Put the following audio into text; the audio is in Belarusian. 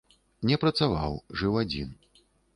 Не працаваў, жыў адзін.